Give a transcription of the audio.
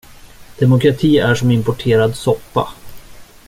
Demokrati är som importerad soppa.